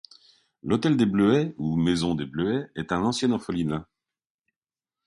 L'hôtel des Bleuets, ou maison des Bleuets, est un ancien orphelinat.